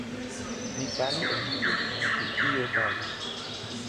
mi pali e lipu pi ijo pali: